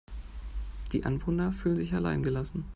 Die Anwohner fühlen sich allein gelassen.